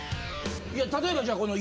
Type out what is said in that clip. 例えばじゃあこの。